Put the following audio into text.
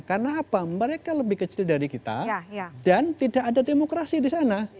karena apa mereka lebih kecil dari kita dan tidak ada demokrasi di sana